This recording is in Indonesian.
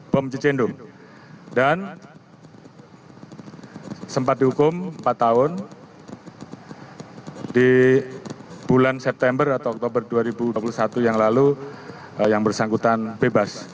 bom cicendo dan sempat dihukum empat tahun di bulan september atau oktober dua ribu dua puluh satu yang lalu yang bersangkutan bebas